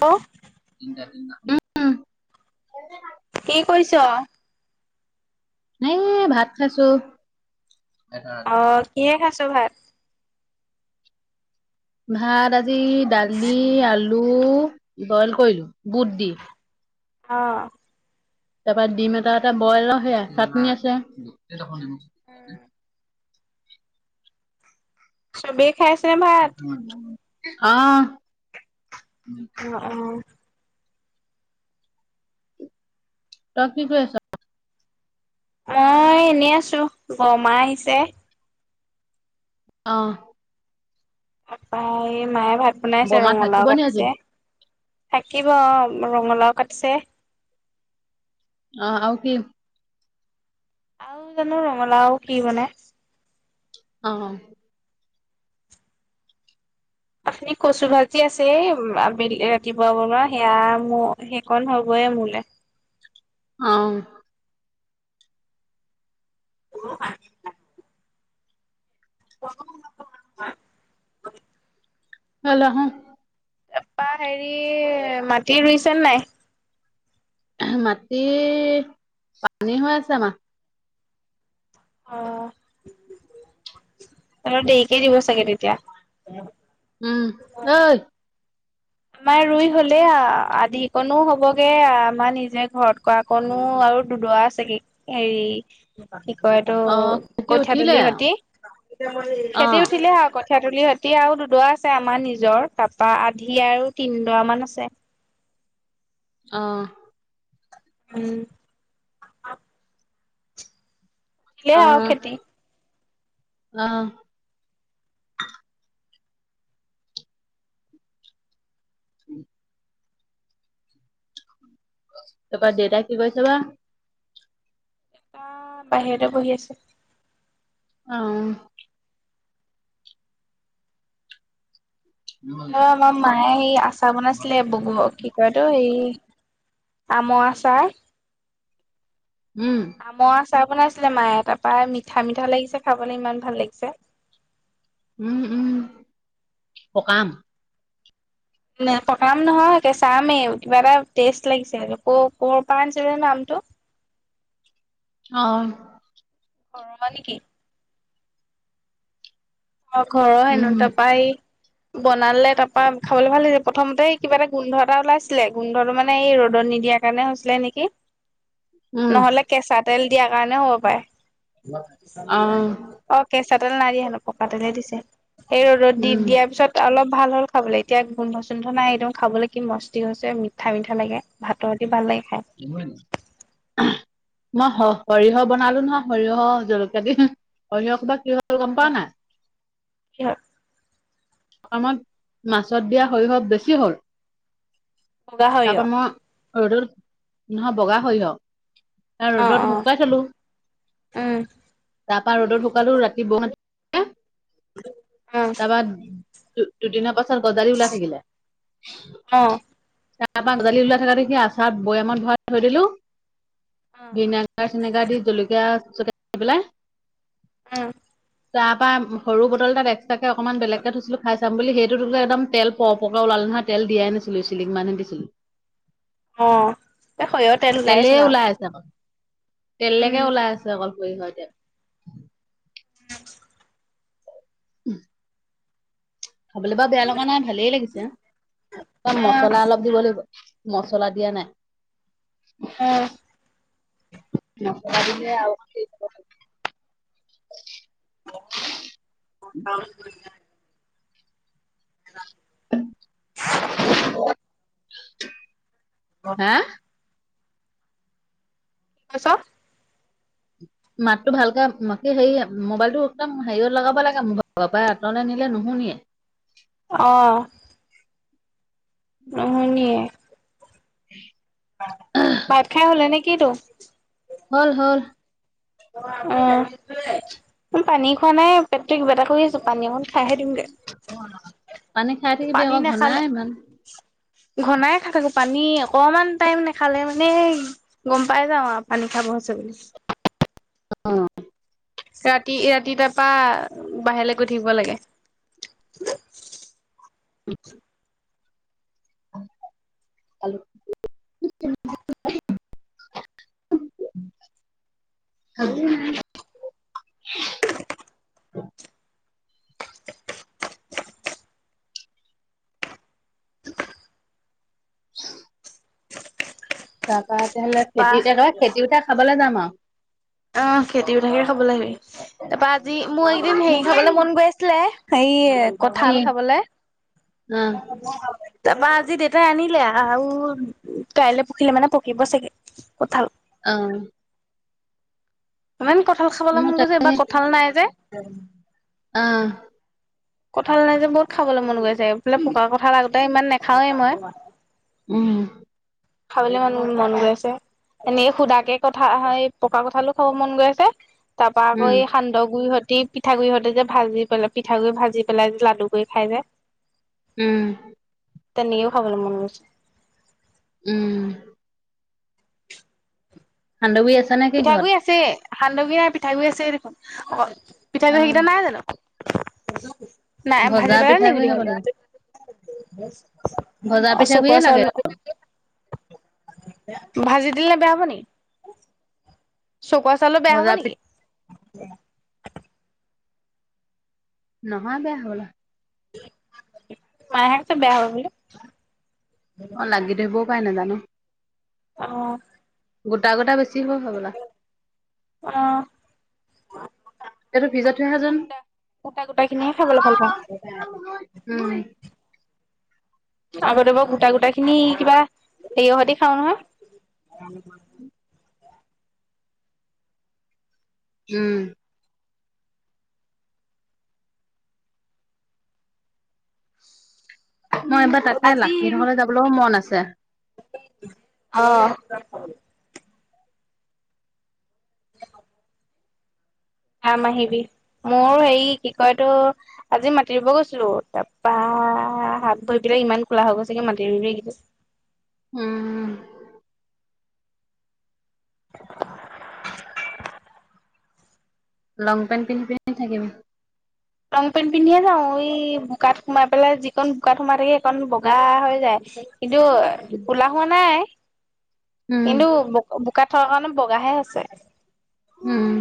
Hello তিনিটা, তিনটা উম। কি কৰিছ? এই ভাত খাইছো। [unintelligible] অ, কিহে খাইছ ভাত? ভাত আজি দালি, আলু বইল কৰিলো বুট দি। অ। তাপা ডিম এটা এটা বইল অ সেইয়া চাটনি আছে। উম। চবেই খাইছে ভাত অ। অ, অ। তই কি কৰি আছ? মই এনেই আছো। বৰমা আহিছে। অ। তাপা এ মায়ে ভাত বনাইছে, বমা থাকিব ৰঙালাও নি আজি? কাটিছে। থাকিব ৰঙালাও কাটিছে। অ, আৰু কি? আৰু জানো ৰঙালাও কি বনায়? অ। অথনি কচু ভাজি আছেই। আবেলি ৰাতিপুৱা বনোৱা সেয়া ম সেইকণ হবয়ে মোলে। অ। [unintelligible] [unintelligible] ঐ লৰা হো। তাপা হেৰি মাটি ৰুইছেনে নাই? মাটি পানী হৈ আছে আমাৰ। অ। অলপ দেৰিকে দিব চাগে তেতিয়া। উম, ঐ আমাৰ ৰুই হ'লে আ। আধিকনো হবগে আমাৰ নিজে ঘৰত কৰা কনো আৰু দুদৰা আছেগে হেৰি কি কয় এইটো অ', ভাইটি কঠীয়া উঠিলে তুলিৰ অ', হ, খেতি অ', উঠিলে আকৌ কঠীয়াতুলি হতি আৰু দুডৰা আছে আমাৰ নিজৰ। তাপা আধি আৰু তিনডৰামান আছে। অ। উম। উঠিলে আৰু খেতি অ, অ। [inaudible] তাপা দেতাই কি কৰিছে বা? দেতা বাহিৰতে বহি আছে। অ। অ, আমাৰ মায়ে হেই আচাৰ বনাইছিলে বগ কি কয় এইটো হেই আমৰ আচাৰ। উম, আমৰ আচাৰ বনাইছিলে মায়ে তাপা মিঠা - মিঠা লাগিছে খাবলৈ ইমান ভাল লাগিছে। উম - উম পকা আম। নে পকা আম নহয় কেঁচা আমেই। কিবা এটা টেষ্ট লাগিছে হেটো। ক'ৰ, ক'ৰ পৰা আনিছে জানো আমটো? অ। অ মানে কি? অ, ঘৰৰ হেনো উম, তাপা এই বনালে তাৰ পা খাবলে ভাল লাগিছে প্ৰথমতে কিবা এটা গোন্ধ এটা ওলাইছিলে গোন্ধটো মানে এই ৰ'দত নিদিয়াৰ কাৰণে হৈছিলে নেকি উম, নহলে কেঁচা তেল দিয়াৰ কাৰণে হ'ব পাৰে অ', অ, কেঁচা তেল নাই দিয়া হেনো। পকা তেলে দিছে সেই ৰ'দত দি উম, দিয়া। পিছত অলপ ভাল হল খাবলে এতিয়া গোন্ধ চোন্ধ নাই একদম খাবলে কি মস্তি হৈছে মি মিঠা- মিঠা লাগে ভাতৰ সতি ভাল লাগে খাই। কিমান [inaudible] মই স সৰিয়হ বনালো নহয় সৰিয়হ জলকীয়া দি সৰিয়হ সোপা কি হ'ল গম পাওঁ নাই? কিহৰ [unintelligible] মাছত দিয়া সৰিয়হ বেছি হ'ল বগা সৰিয়হ তাপা মই ৰ'দত নহয় বগা সৰিয়হ অ অ ৰ'দত শুকুৱাই থলো। উম তাপা ৰ'দ শুকালো ৰাতি বৰষূণ তাপা দুদিনৰ পাছত গজালি ওলাই থাকিলে। অ', তাৰ পৰা গজালি ওলাই থাকে দেখি আচাৰ বৈয়ামত ভৰাই থৈ দিলো। ভিনেগাৰ চিনেগাৰ দি জলকীয়া চলকিয়া দি পেলাই উম তাৰ পৰা সৰু বটল এটাত এক্সট্ৰাকে অকনমান বেলেগ থৈছিলো খাই চাম বুলি সেইটো তোকো একদম তেল প পকে ওলালে নহয় তেল দিয়াই নাছিলো এচিলিক মানহে দিছিলো। অ এই সৰিয়হৰ তেল ওলাই চোন আও তেলেকে ওলাই আছে অকল সৰিয়হ এতিয়া। [unintelligible] উম, খাবলে বা বেয়া লগা নাই ভালেই লাগিছে। কাৰণ আহ মছলা অলপ দিব লাগিব মছলা দিয়া নাই। আহ মছলা দিলে আৰু অকমান টেছ হ'ব খালি অও দিবা নে [unintelligible] নেযাঙ [unintelligible] হে? কৈছ মাতটো ভালকে ম কি হেৰি মোবাইলটো একদম হেৰিয়ত লগাব লাগে মোৰ পৰাই আতৰলৈ নিলে নুশুনিয়ে। অ। নুশুনিয়ে [unintelligible] ভাত খাই হলে নেকি তো? হ'ল হ'ল। উ পানী খোৱা নাই পেটটো কিবা এটা কৰি আছো পানী অকন। খাইহে দিওগে পানী খাই থাকিবি পানী আকৌ ঘনাই নাখালে ইমান ঘনাই খাই থাকো পানী অকমান টাইম নাখালে মানেই গম পাই যাওঁ আও পানী খাব হৈছে বুলি। অ ৰাতি ৰাতি তাৰ পৰা বাহিৰলৈ গৈ থাকিব লাগে। [unintelligible] [inaudible] [inaudible] [inaudible] তাপা তেতিয়াহ'লে খেতি তাৰপা খেতি উঠাই খাবলে যাম আও অ খেতি উথাকে খাবলে আহিবি তাৰপা আজি মোৰ এইকেইদিন হেৰি খাবলৈ মন গৈ আছিলে। হেৰি কি কঁঠাল খাবলে। অ তাৰপা আজি দেউতাই আনিলে আৰু কাইলৈ পখিলে মানে পকিব চাগে কঁঠাল। অ। ইমান কঁঠাল খাবলৈ মোৰ মন তা গৈছে এইবাৰ কঁঠাল নাই যে। অ। কঁঠাল নাই যে বহুত খাবলৈ মন গৈছে এইফালে পকা কঁঠাল আগতে ইমান নাখাওৱেই মই। উম। খাবলৈ ইমান মন গৈ আছে। এনেই সুদাকে কঠা পকা কঁঠালো খাব মন গৈ আছে তাৰ পৰা আকৌ উম এই সান্দহ গুৰি দি পিঠা গুড়িহঁতে যে ভাজি পেলাই পিঠাগুড়ি ভাজি পেলাই লাডু কৰি খাই যে। উম। তেনেকেও খাবলৈ মন গৈছে। উম। সান্দগুড়ি আছে। নে কি ঘৰত পিঠাগুড়ি আছে সান্দগুড়ি নাই পিঠাগুড়ি আছে দেখোন অকল পিঠাগুড়ি অ সেইকেইটা নাই জানো। নাই ভাজি ভজা পেলালানিকি পিঠাগুৰি খাব গোটেইখিনি। লাগিব ভজা অ চকোৱা পিঠাগুৰিয়ে চাউল। লাগে ভাজি দিলে বেয়া হ'ব নেকি চকোৱা চাউলৰ বেয়া হব ভজা পিঠ নেকি নহয় বেয়া হবলা মাই হে কৈছে বেয়া হ'ব বুলি অ লাগি ধৰিবও পাই নাজানো অ গোটা গোটা বেছি হ'ব হবলা। অ। এইটো ফ্ৰিজত থৈ আহাচোন গোটা গোটা খিনিহে খাবলৈ ভাল পাওঁ। উম। আগতে বৰ গোটা গোটা খিনি কিবা হেৰিহতে খাওঁ নহয়। উম। মই এইবাৰ তাকে লাকীহেত ঘৰলৈ যাবলৈও মন আছে। অ। যাম আহিবি মোৰ হেৰি কি কয় এইটো। আজি মাতি ৰুব গৈছিলো তাৰপা হাত ভৰি কেইটা ইমান কোলা হৈ গৈছে মাতি ৰুই। উম লং পেণ্ট পিন্ধি পিন্ধি থাকিবি লং পেন্ট পিন্ধিয়ে যাওঁ ই বোকাত সোমাই পেলাই যিকন বোকাত সোমাই থাকে সেইকণ বগা হৈ যায় কিন্তু কোলা হোৱা নাই উম কিন্তু বো বোকাত থকা কাৰণে বগাহে হৈছে উম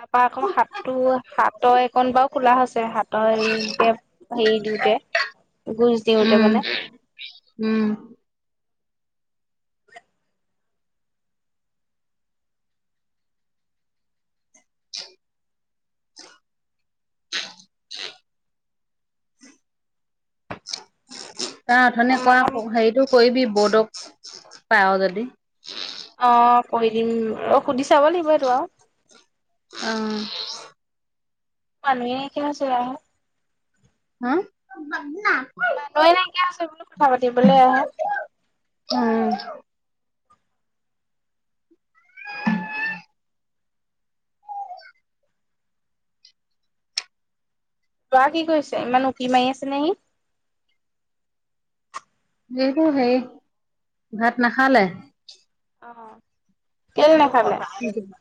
তাৰপা আকৌ হাতটো হাতৰ এইকন বাও কোলা হৈছে হাত তই এনেকে হেৰি দিওঁতে গোজ দিওতে উম মানে উম [unintelligible] তাৰ অথনি কোৱা আমাৰ হেৰিটো কৰিবি বৌদক পাৱ যদি অ কৈ দিম অ সুধি চাব লাগিব সেইটো আও অ মানুহে একে হৈছে আহ। হম মানুহে নাইকিয়া হৈছে বোলো কথা পাতিবলে আৱ। ল'ৰা কি কৰিছে ইমান উকি মাৰি আছে নে হি? এইটো সেই ভাত নাখালে। অ, কেলে নেখালে? [unintelligible]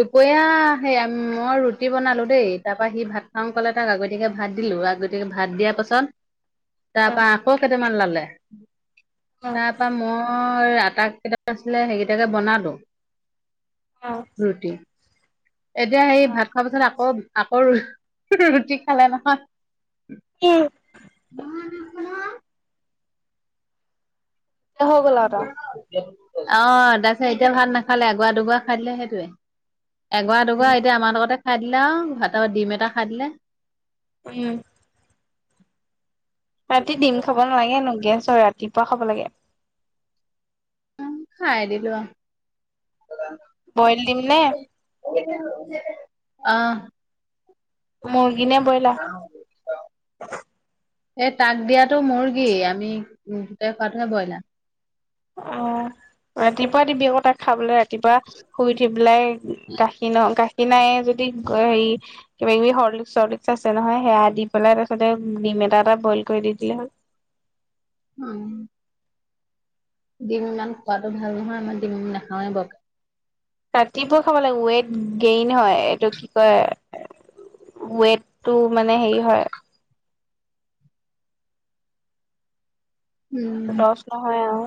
দুপৰীয়া সেয়া মই ৰুটি বনালো দেই তাৰ পা সি ভাত খাম কলে তাক আগতীয়াকে ভাত দিলো আগ আগতিয়াকে ভাত দিয়া পাছত তাৰ অ পা আকৌ কেইটামান ল'লে অ তাৰপা মই আটা [unintelligible] মান আছিলে সেইকেইটাকে বনালো। অ', ৰুটি। এতিয়া সেই ভাত খোৱা পিছত আকৌ- আকৌ ৰুটি খালে নহয়। কি? হৈ গ'ল আৰু তাৰ অহ, তাৰপিছত এতিয়া ভাত নাখালে এগুৱা, দুগুৱা খাই দিলে সেইটোৱে। এগৰা, দুগৰা এতিয়া আমাৰ লগতে খাই দিলে আও ভাতত ডিম এটা খাই দিলে। [unintelligible] ৰাতি ডিম খাব নালাগে হেনো গেছ হয় ৰাতিপুৱা খাব লাগে। খাই দিলো আও [unintelligible] বইল দিম নে? [unintelligible] অ, মুৰ্গী নে বইলা? এ তাক দিয়াটো মুৰ্গী আমি গোটেই খোৱাতোহে বইলাৰ। অ, ৰাতিপুৱা দিবি আকৌ তাক খাবলে ৰাতিপুৱা শুই উঠি পেলাই। গাখীৰ ন, গাখীৰ নায়ে যদি [unintelligible] হেৰি কিবা -কিবি সৰ্লিক্স -চৰ্লিক্স আছে নহয় সেয়া দি পেলাই তাৰপিছতে ডিম এটা -এটা বইল কৰি দি দিলে হ'ল। উম, ডিম ইমান খোৱাটো ভাল নহয় আমাৰ ডিম নাখাওৱে বৰকে। ৰাতিপুৱা খাব লাগিব ৱেইট গেইন হয় এইটো কি কয় ৱেটটো মানে হেই হয়। উম, দছ নহয় আওঁ।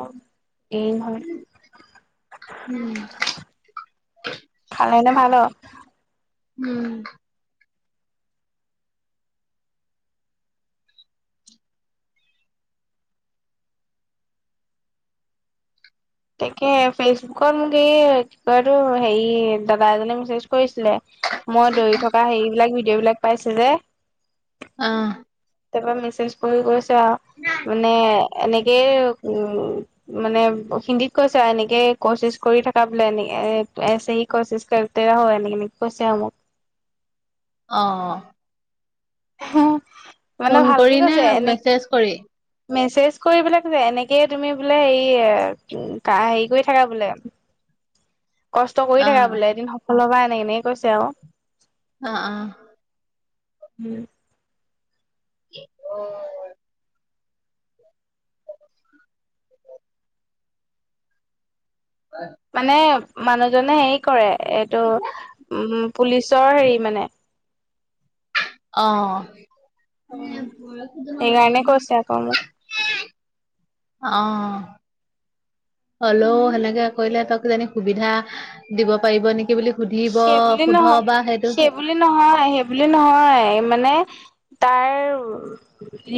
এই হয়। উম, খালে নে ভাল? উম, তাকে ফেচবুক মোক এ কি কয় এইটো সেই দাদা এজনে মেচেজ কৰিছিলে মই দৌৰি থকা হেইবিলাক ভিডিঅ' বিলাক পাইছে যে অ', তাৰপা মেছেজ কৰি কৈছে আও মানে এনেকেই উম মানে হিন্দীত কৈছে আৰু এনেকে কচিচ কৰি থকা বোলে এনেক এছে হি কচিচ কৰত তে ৰহ হয় এনেকে -এনেক কৈছে আৰু মোক। অ', হম, মানে ফোন ভালকে কৰি নে কৈছে এনে মেছেজ কৰি? মেছেজ কৰিপেলাই কৈছে এনেকে তুমি বোলে এইয়ে উম, কা হেৰি কৰি থাকা বোলে কষ্ট কৰি থাকা অ', বোলে এদিন সফল হবা এনেকে -এনেকে কৈছে আৰু। অ', অ', উম, অ, [unintelligible] মানে মানুহজনে হেৰি কৰে এইটো উম পুলিচৰ হেৰি মানে, অ, সেইকাৰণে কৈছে আকৌ মোক [unintelligible] অহ, হলেও সেনেকে কৰিলে তাক কিজানি সুবিধা দিব পাৰিব নেকি বুলি সুধিব সোধবা সেইটো। সেইবুলি নহয় -সেইবুলি নহয় মানে তাৰ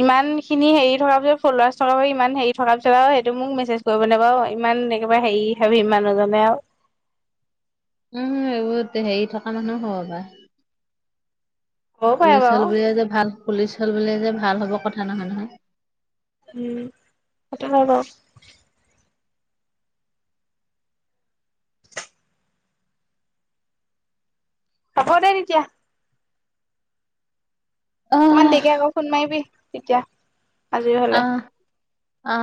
ইমান খিনি হেৰি থকাৰ পিছত ফল'আচ থকাৰ পিছ ইমান হেৰি থকাৰ পিছত আৰু সেইটো মোক মেছেজ- কৰিব নে বাও ইমান একেবাৰে হেৰি হাবি মানুহজনে আৰু উম এইবোত হেৰি থকা মানুহ হ'ব বা, হ'বও পাৰে পুলিচ বাৰু হল বুলিয় যে ভাল পুলিচ হল বুলিয়ে যে ভাল হব কথা নহয় নহয়। উম সেইটো হয় বাৰু হব দে তেতিয়া। অকণমান আহ দেৰিকে আকৌ ফোন মাৰিবি তেতিয়া আজি হ'লে। আহ